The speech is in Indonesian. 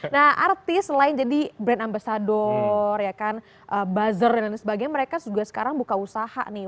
nah artis selain jadi brand ambasador buzzer dan lain sebagainya mereka juga sekarang buka usaha nih